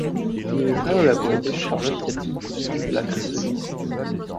Il est le frère de la poétesse Charlotte-Catherine Cosson de La Cressonnière.